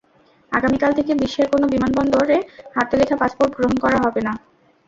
আগামীকাল থেকে বিশ্বের কোনো বিমানবন্দরে হাতে লেখা পাসপোর্ট গ্রহণ করা হবে না।